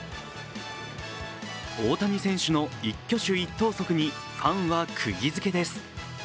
大谷選手の一挙手一投足にファンはくぎづけです。